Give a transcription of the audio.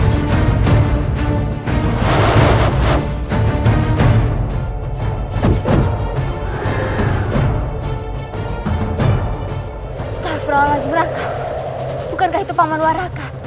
astagfirullahaladzim raka bukankah itu paman waraka